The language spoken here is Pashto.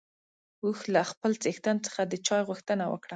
اوښ له خپل څښتن څخه د چای غوښتنه وکړه.